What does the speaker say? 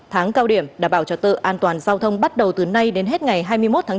tháng cao điểm đảm bảo trật tự an toàn giao thông bắt đầu từ nay đến hết ngày hai mươi một tháng bốn